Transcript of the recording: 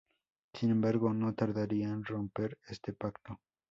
Sin embargo no tardaría en romper este pacto.